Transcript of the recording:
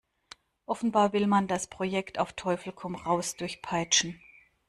Offenbar will man das Projekt auf Teufel komm raus durchpeitschen.